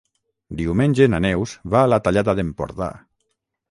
Diumenge na Neus va a la Tallada d'Empordà.